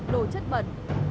đồ chất bẩn